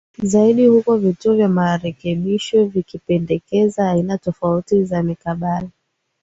zaidi huku vituo vya marekebisho vikipendekeza aina tofauti za mikabala